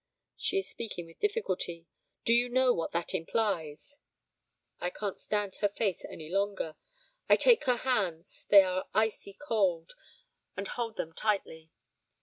(she is speaking with difficulty), do you know what that implies?' I can't stand her face any longer. I take her hands, they are icy cold, and hold them tightly.